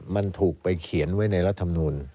มันถูกไปเขียนไว้ในรัฐมนูล